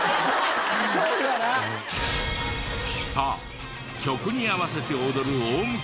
さあ曲に合わせて踊るオウムか？